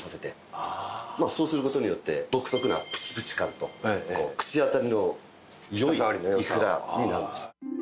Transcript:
そうする事によって独特なプチプチ感と口当たりの良いいくらになるんです。